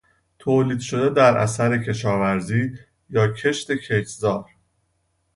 تولید شده در اثر کشاورزی یا کشت، کشتزاد